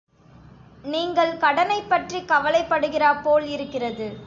நீங்கள் கடனைப் பற்றிக் கவலைப்படுகிறாப் போலிருக்கிறது.